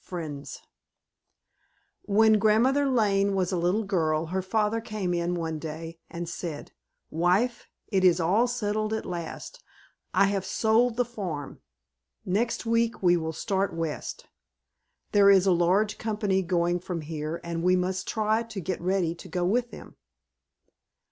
Frentz When Grandmother Lane was a little girl her father came in one day and said, "Wife, it is all settled at last. I have sold the farm. Next week we will start West. There is a large company going from here, and we must try to get ready to go with them."